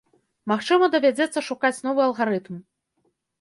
Магчыма, давядзецца шукаць новы алгарытм.